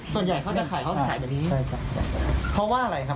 ส่วนใหญ่เขาจะขายเขาจะขายแบบนี้ใช่ครับเพราะว่าอะไรครับ